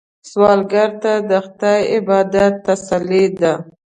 سوالګر ته د خدای عبادت تسلي ده